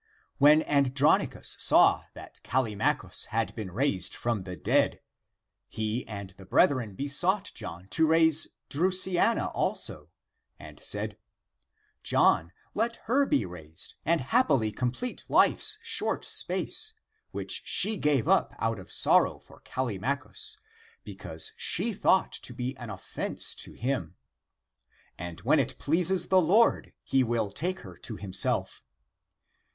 When Andronicus saw that Callimachus had been raised from the dead, he and the brethren besought John to raise Drusiana also, and said, " John, let her be raised and happily complete life's short space, which she gave up out of sorrow for Callimachus, because she thought to be an offense to him ! And when it pleases the Lord, he will take her to himself.